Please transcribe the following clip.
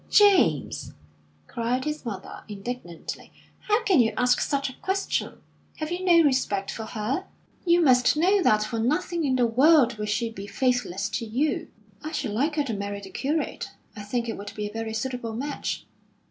"James!" cried his mother, indignantly, "how can you ask such a question? Have you no respect for her? You must know that for nothing in the world would she be faithless to you." "I should like her to marry the curate. I think it would be a very suitable match."